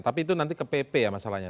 tapi itu nanti ke pp ya masalahnya